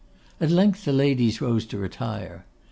At length the ladies rose to retire.